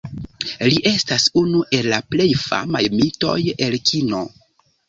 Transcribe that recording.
Li estas unu el la plej famaj mitoj el kino.